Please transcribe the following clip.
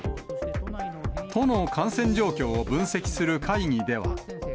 都の感染状況を分析する会議では。